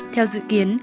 theo dự kiến